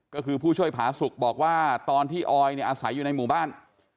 ก็คือผู้ช่วยผาสุกบอกว่าตอนที่ออยเนี่ยอาศัยอยู่ในหมู่บ้าน